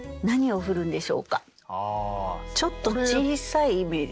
ちょっと小さいイメージ。